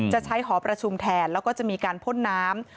จะใช้หอประชุมแทนแล้วก็จะมีการพ่นน้ำ